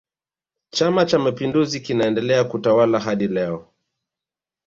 chama cha mapinduzi kinaendelea kutawala hadi leo